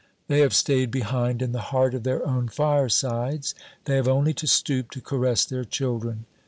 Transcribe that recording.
They have stayed behind in the heart of their own firesides; they have only to stoop to caress their children.